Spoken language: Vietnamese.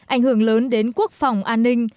ảnh hưởng lớn đến quốc phòng an ninh